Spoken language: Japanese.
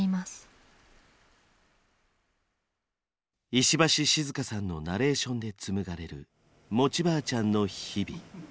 石橋静河さんのナレーションで紡がれる餅ばあちゃんの日々。